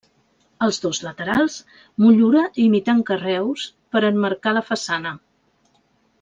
Als dos laterals, motllura imitant carreus per emmarcar la façana.